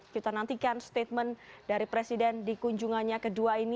kita nantikan statement dari presiden di kunjungannya kedua ini